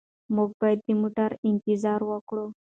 موږ باید د موټر انتظار وکړو.